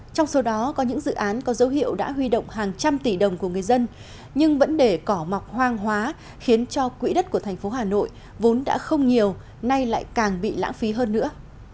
trong số đó có những dự án có dấu hiệu đã huy động hàng trăm tỷ đồng của người dân nhưng vẫn để cỏ mọc hoang hóa khiến cho quỹ đất của thành phố hà nội vốn đã không nhiều nay lại càng bị lãng phí hơn nữa